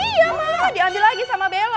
iya malah diambil lagi sama bella